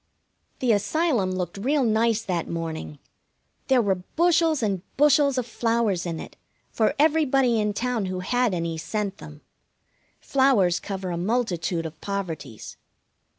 The Asylum looked real nice that morning. There were bushels and bushels of flowers in it, for everybody in town who had any sent them. Flowers cover a multitude of poverties.